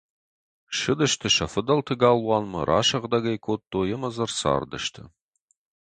Ссыдысты сӕ фыдӕлты галуанмӕ, расыгъдӕг ӕй кодтой ӕмӕ дзы ӕрцардысты.